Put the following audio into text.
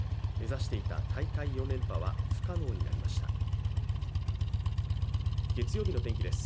目指していた大会４連覇は不可能になりました。